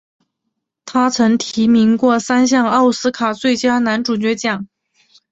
他曾提名过三项奥斯卡最佳男主角奖。